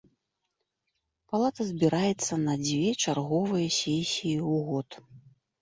Палата збіраецца на дзве чарговыя сесіі ў год.